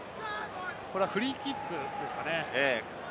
これはフリーキックですかね。